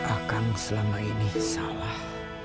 akang selama ini salah